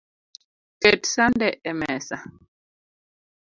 Ket sande emesa